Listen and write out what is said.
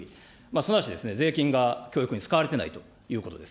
すなわち税金が教育に使われていないということです。